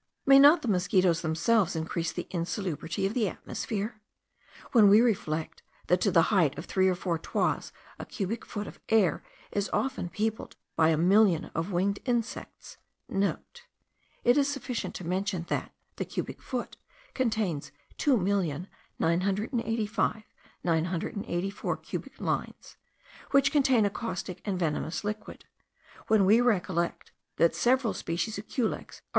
May not the mosquitos themselves increase the insalubrity of the atmosphere? When we reflect that to the height of three or four toises a cubic foot of air is often peopled by a million of winged insects,* (* It is sufficient to mention, that the cubic foot contains 2,985,984 cubic lines.) which contain a caustic and venomous liquid; when we recollect that several species of culex are 1.